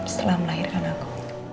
setelah melahirkan aku